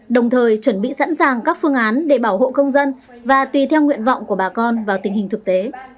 đồng thời chuẩn bị sẵn sàng các phương án để bảo hộ công dân và tùy theo nguyện vọng của bà con vào tình hình thực tế